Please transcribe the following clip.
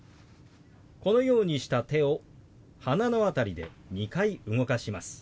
このようにした手を鼻の辺りで２回動かします。